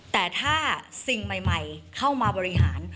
แต่ถ้าสิ่งใหม่เข้ามาบริหาร